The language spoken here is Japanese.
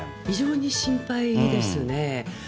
非常に心配ですね。